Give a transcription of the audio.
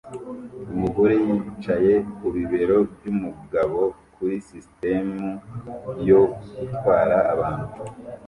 Umugore yicaye ku bibero byumugabo kuri sisitemu yo gutwara abantu